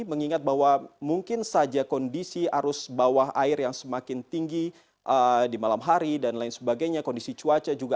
mengingat bahwa mungkin saja kondisi arus bawah air yang semakin tinggi di malam hari dan lain sebagainya kondisi cuaca juga